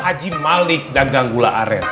haji malik dan ganggula arel